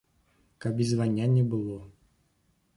Каб і звання не было.